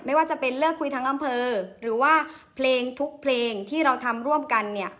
ไม่ว่าจะเป็นเลิกคุยทั้งอำเภอหรือว่าเพลงทุกเพลงที่เราทำร่วมกันเนี่ย